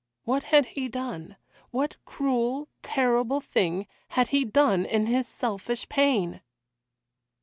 What had he done? What cruel, terrible thing had he done in his selfish pain?